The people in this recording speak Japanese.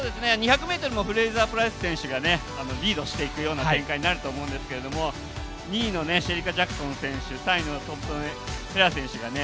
２００ｍもフレイザー・プライス選手がリードしていく展開になると思うんですけど２位のシェリカ・ジャクソン選手、３位のトンプソン・ヘラ選手がね